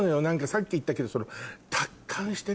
さっき言ったけど。